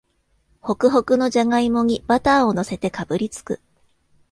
ホクホクのじゃがいもにバターをのせてかぶりつく